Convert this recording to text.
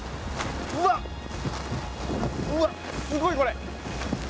うわっ、すごい、これ！